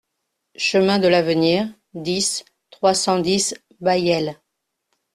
Chemin de l'Avenir, dix, trois cent dix Bayel